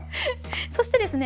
そしてですね